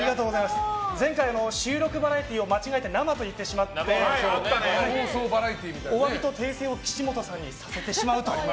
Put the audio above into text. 前回、収録バラエティーを間違えて生と言ってしまってお詫びと訂正を岸本さんにさせてしまうと。